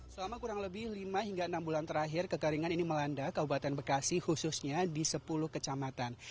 selama kurang lebih lima hingga enam bulan terakhir kekeringan ini melanda kabupaten bekasi khususnya di sepuluh kecamatan